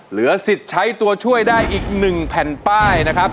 เหลือสิทธิ์ใช้ตัวช่วยได้อีก๑แผ่นป้ายนะครับ